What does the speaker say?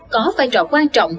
có vai trò quan trọng